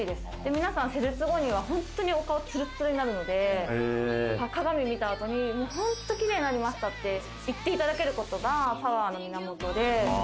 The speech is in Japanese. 皆さん、施術後には、ほんとにお顔ツルツルになるので、鏡見た後に本当綺麗になりましたって言っていただけることがパワーの源で。